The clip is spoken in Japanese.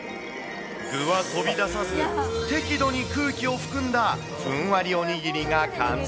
具は飛び出さず、適度に空気を含んだふんわりおにぎりが完成。